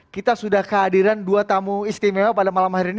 kita sudah kehadiran dua tamu istimewa pada malam hari ini